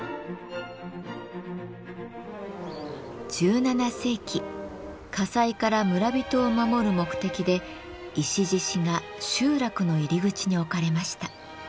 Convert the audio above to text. １７世紀火災から村人を守る目的で石獅子が集落の入り口に置かれました。